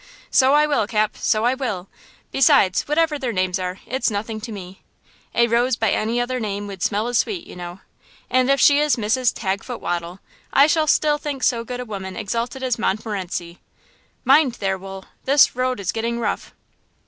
So I will, Cap, so I will! Besides whatever their names are, it's nothing to me. 'A rose by any other name would smell as sweet,' you know. And if she is 'Mrs. Tagfoot Waddle' I shall still think so good a woman exalted as a Montmorencie. Mind there, Wool; this road is getting rough."